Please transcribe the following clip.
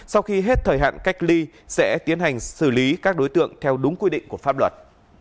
sau khi hết thời hạn cách ly sẽ tiến hành xử lý các đối tượng theo đúng quy định của pháp luật